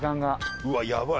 うわっやばい！